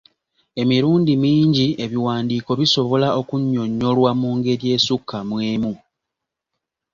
Emirundi mingi ebiwandiiko bisobola okunnyonnyolwa mu ngeri esukka mu emu.